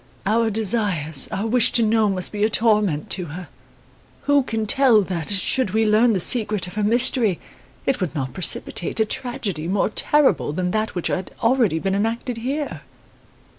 Our desires, our wish to know must be a torment to her. Who can tell that, should we learn the secret of her mystery, it would not precipitate a tragedy more terrible than that which had already been enacted here?